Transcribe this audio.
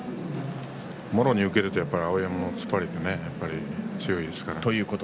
もろに受けると碧山の突っ張りって強いですから。